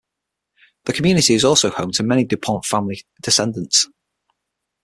The community is also home to many Du Pont family descendants.